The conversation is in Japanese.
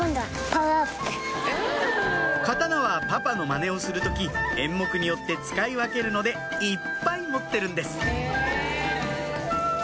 刀はパパのマネをする時演目によって使い分けるのでいっぱい持ってるんです